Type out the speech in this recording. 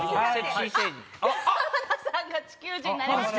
浜田さんが地球人になりました。